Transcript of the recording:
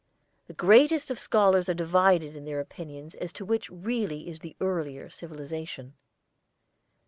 The greatest of scholars are divided in their opinions as to which really is the earlier civilization.